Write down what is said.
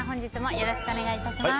よろしくお願いします。